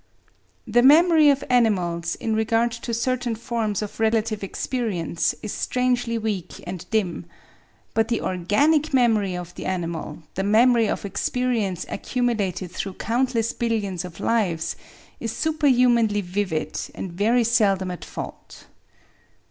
The memory of animals, in r^ard to certdn forms of relative experience, is strangely weak and dim. But the organic memory of the animal, — the memory of experience accumulated through countless billions of lives, — is superhumanly vivid, and very seldom at feult